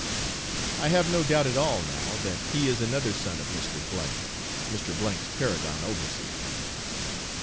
I have no doubt at all, now, that he is another son of Mr. K , Mr. 's paragon overseer.